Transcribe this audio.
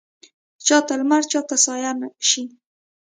چا ته لمر چا ته سایه شي